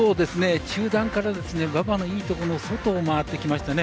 中団から馬場のいいところの外を回ってきましたね。